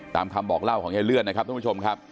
ตามคำบอกเล่าของยายเลื่อนนะครับทุกผู้ชมครับ